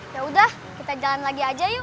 yaudah kita jalan lagi aja yuk